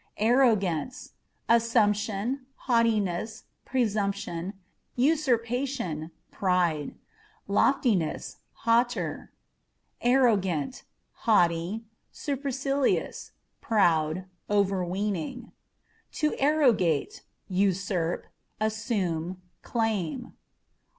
Arrogance â€" assumption, haughtiness, presumption, usurpa tion, pride ; loftiness, hauteur. Arrogantâ€" haughty, supercilious, proud, overweening. To Arrogate â€" usurp, assume, claim.